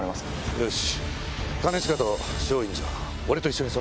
よし！